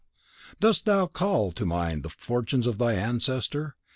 Dost thou call to mind the fortunes of thy ancestor?